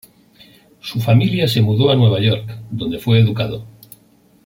Su familia se mudó a Nueva York, donde fue educado.